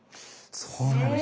そうなんですか。